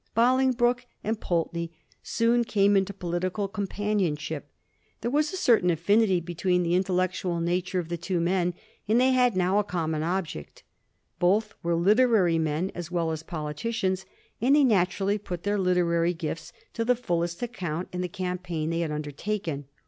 Bolingbroke and Pulteney soon came into political companionship. There was a certain affinity between the intellectual nature of the two men ; and they had now a common object. Both were literary men as well as politicians, and they naturally put their literary gifts to the fullest account in the campaign they had undertaken.